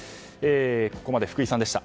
ここまで福井さんでした。